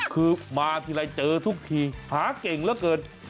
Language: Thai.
คือมาทีไรเจอทุกทีหาเก่งเหลือเกิน